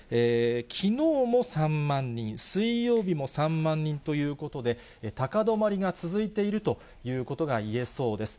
きのうも３万人、水曜日も３万人ということで、高止まりが続いているということが言えそうです。